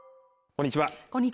こんにちは